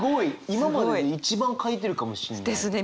今までで一番書いてるかもしれない。ですね。